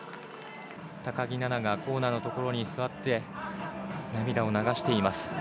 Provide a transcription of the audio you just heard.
高木菜那がコーナーの所に座って、涙を流しています。